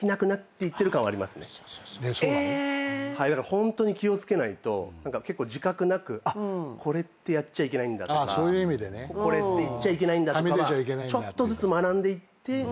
ホントに気を付けないと結構自覚なくこれってやっちゃいけないんだとかこれって言っちゃいけないんだとかはちょっとずつ学んでいって。